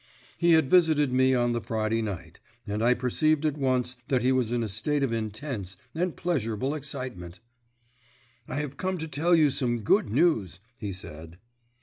He had visited me on the Friday night, and I perceived at once that he was in a state of intense and pleasurable excitement. "I have come to tell you some good news," he said.